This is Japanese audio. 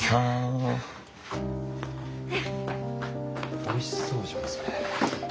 おいしそうじゃんそれ。